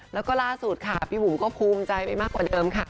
แล้วก็ล่าสุดค่ะพี่บุ๋มก็ภูมิใจไปมากกว่าเดิมค่ะ